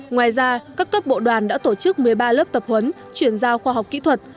ngoài ra các cấp bộ đoàn đã tổ chức một mươi ba lớp tập huấn chuyển giao khoa học kỹ thuật